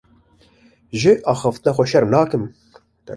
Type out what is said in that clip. Ji axiftina xwe şerm nakim.